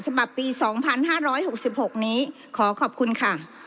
ฉบับปี๒๕๖๖นี้ขอขอบคุณค่ะ